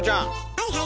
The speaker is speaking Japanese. はいはい。